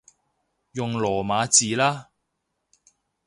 用羅馬字啦